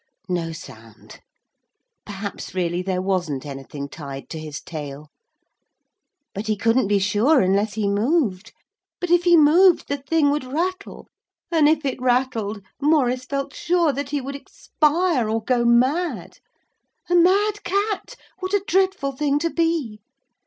No sound. Perhaps really there wasn't anything tied to his tail. But he couldn't be sure unless he moved. But if he moved the thing would rattle, and if it rattled Maurice felt sure that he would expire or go mad. A mad cat. What a dreadful thing to be!